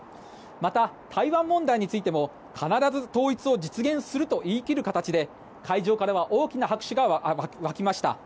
また、台湾問題についても必ず統一を実現すると言い切る形で、会場からは大きな拍手が沸きました。